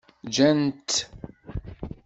Gan-tt.